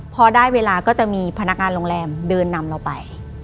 พอได้เวลาก็จะมีพนักงานโรงแรมเดินนำเราไป